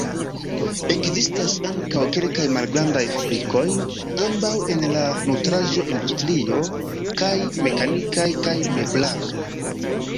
Ekzistas ankaŭ kelkaj malgrandaj fabrikoj, ambaŭ en la nutraĵo-industrio kaj mekanikaj kaj meblaro.